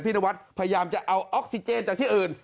นวัดพยายามจะเอาออกซิเจนจากที่อื่น